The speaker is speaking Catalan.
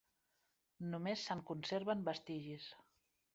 Només se'n conserven vestigis.